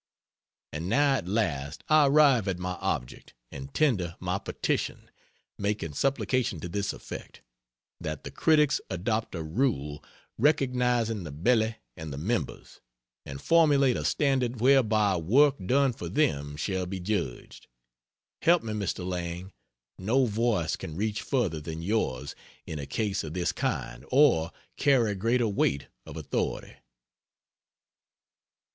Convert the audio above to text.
And now at last I arrive at my object and tender my petition, making supplication to this effect: that the critics adopt a rule recognizing the Belly and the Members, and formulate a standard whereby work done for them shall be judged. Help me, Mr. Lang; no voice can reach further than yours in a case of this kind, or carry greater weight of authority.